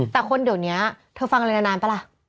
แต่คนเดี๋ยวนี้เธอฟังอะไรนานป่ะล่ะ